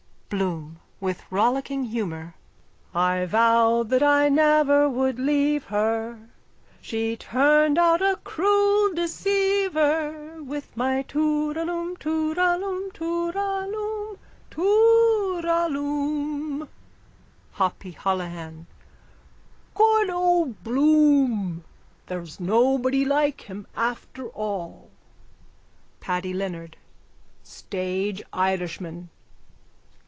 BLOOM: (With rollicking humour.) I vowed that I never would leave her, She turned out a cruel deceiver. With my tooraloom tooraloom tooraloom tooraloom. HOPPY HOLOHAN: Good old Bloom! There's nobody like him after all. PADDY LEONARD: Stage Irishman!